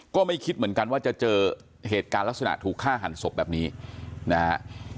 ก็ไม่คิดเหมือนกันว่าจะเจอเหตุการณ์ลักษณะถูกฆ่าหันศพแบบนี้นะฮะ